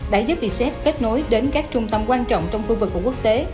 đã giúp vietjet kết nối đến các trung tâm quan trọng trong khu vực của quốc tế